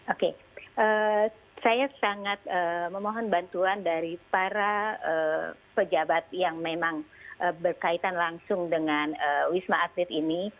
oke saya sangat memohon bantuan dari para pejabat yang memang berkaitan langsung dengan wisma atlet ini